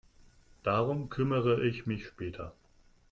Darum kümmere ich mich später.